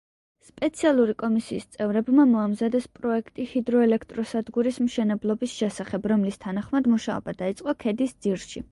სპეციალური კომისიის წევრებმა მოამზადეს პროექტი ჰიდროელექტროსადგურის მშენებლობის შესახებ, რომლის თანახმად, მუშაობა დაიწყო ქედის ძირში.